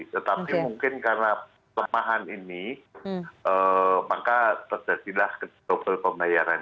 tetapi mungkin karena lemahan ini maka terjadilah double pembayaran